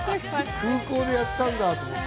空港でやったんだと思って。